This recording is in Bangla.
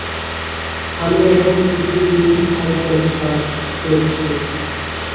আমি এখন কিছুদিন অজ্ঞাতবাস করছি।